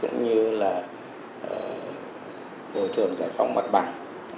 như là bộ thường giải phóng mặt bằng